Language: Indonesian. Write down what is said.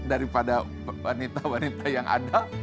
daripada wanita wanita yang ada